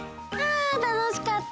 あたのしかった！